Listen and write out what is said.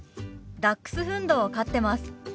ダックスフンドを飼ってます。